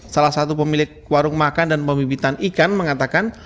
salah satu pemilik warung makan dan pemibitan ikan mengatakan